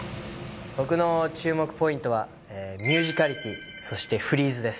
僕の注目ポイントはミュージカリティーそしてフリーズです。